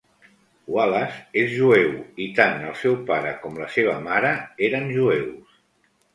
Wallace és jueu i tant el seu pare com la seva mare eren jueus.